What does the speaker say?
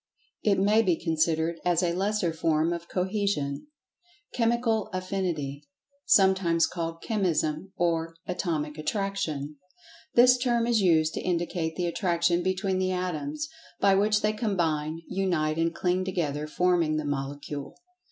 It may be considered as a "lesser" form of cohesion. Chemical Affinity (sometimes called Chemism or Atomic Attraction): This term is used to indicate the attraction between the atoms, by which they combine, unite and cling together, forming the Molecule.